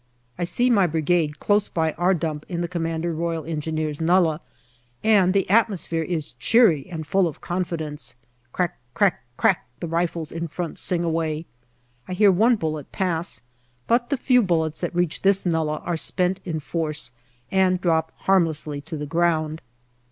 I see my Brigade close by our dump in the C.R.E. nullah, and the atmo sphere is cheery and full of confidence. Crack, crack, crack the rifles in front sing away. I hear one bullet pass, but the few bullets that reach this nullah are spent in force and drop harmlessly to the ground.